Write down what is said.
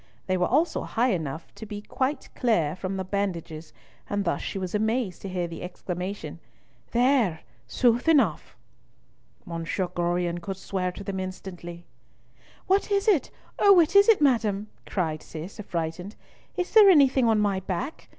They were also high enough up to be quite clear from the bandages, and thus she was amazed to hear the exclamation, "There! sooth enough." "Monsieur Gorion could swear to them instantly." "What is it? Oh, what is it, madam?" cried Cis, affrighted; "is there anything on my back?